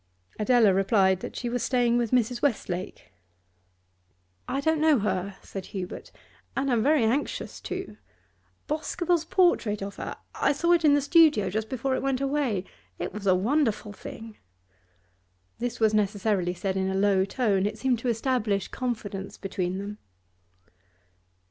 Adela replied that she was staying with Mrs. Westlake. 'I don't know her,' said Hubert, 'and am very anxious to Boscobel's portrait of her I saw it in the studio just before it went away was a wonderful thing.' This was necessarily said in a low tone; it seemed to establish confidence between them.